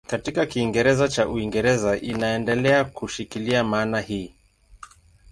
Katika Kiingereza cha Uingereza inaendelea kushikilia maana hii.